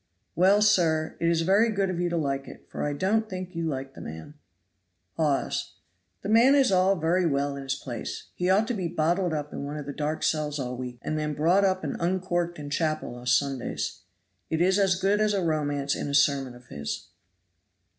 Well, sir, it is very good of you to like it, for I don't think you like the man. Hawes. The man is all very well in his place. He ought to be bottled up in one of the dark cells all the week, and then brought up and uncorked in chapel o' Sundays. It is as good as a romance is a sermon of his.